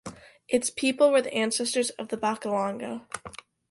Its people were ancestors of the Bakalanga.